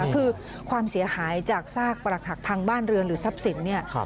คือความเสียหายจากซากปรากฐักษ์พังบ้านเรืองหรือทรัพย์ศิลป์